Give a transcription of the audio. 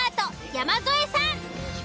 山添さん。